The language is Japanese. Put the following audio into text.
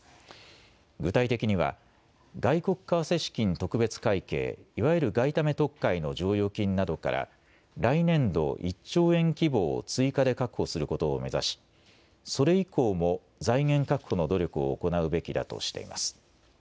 具体的には外国為替資金特別会計、いわゆる外為特会の剰余金などから来年度、１兆円規模を追加で確保することを目指しそれ以降も財源確保の努力を行うべきだとしています。